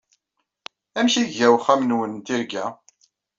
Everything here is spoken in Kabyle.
Amek ay iga uxxam-nwen n tirga?